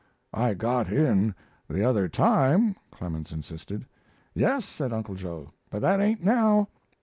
"I got in the other time," Clemens insisted. "Yes," said Uncle Joe; "but that ain't now.